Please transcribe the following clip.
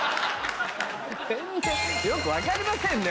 全然よく分かりませんね。